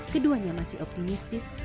keduanya masih optimis